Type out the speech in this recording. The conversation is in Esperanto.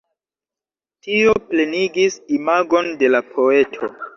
Tio plenigis imagon de la poeto.